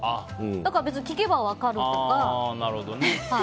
だから聞けば分かるとか。